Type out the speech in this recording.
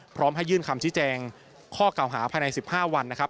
พร้อมให้ยื่นคำชี้แจงข้อเก่าหาภายใน๑๕วันนะครับ